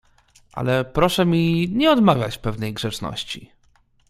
"Ale proszę mi nie odmawiać pewnej grzeczności."